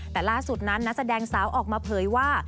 แต่ล่าสุดนั้นนักแสดงสาวออกมาเผยว่า